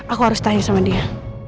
aku harus tanya sama dia